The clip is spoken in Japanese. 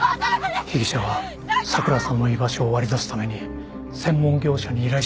被疑者は咲良さんの居場所を割り出すために専門業者に依頼したようです。